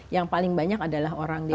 yang paling banyak adalah orang dewasa